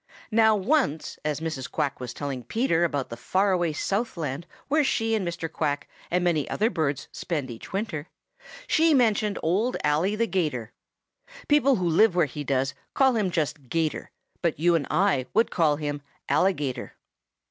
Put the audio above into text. Now once, as Mrs. Quack was telling Peter about the far away Southland where she and Mr. Quack and many other birds spend each winter, she mentioned Old Ally the 'Gator. People who live where he does call him just 'Gator, but you and I would call him Alligator.